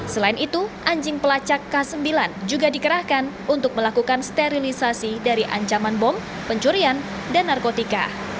selain itu anjing pelacak k sembilan juga dikerahkan untuk melakukan sterilisasi dari ancaman bom pencurian dan narkotika